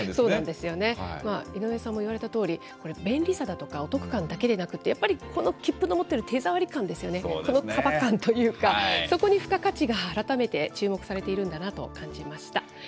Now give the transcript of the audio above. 井上さんも言われたとおり、これ、便利さだとかお得感だけでなくて、やっぱりきっぷの持ってる手触り感ですよね、この束感というか、そこに付加価値が改めて注目されているんだなと感じました。